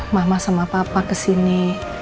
mama sama papa kesini